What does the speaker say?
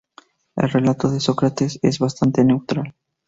El relato de Sócrates es bastante neutral.